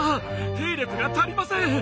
兵力が足りません！